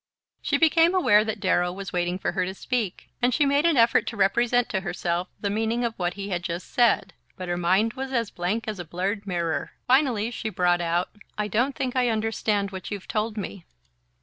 She became aware that Darrow was waiting for her to speak, and she made an effort to represent to herself the meaning of what he had just said; but her mind was as blank as a blurred mirror. Finally she brought out: "I don't think I understand what you've told me."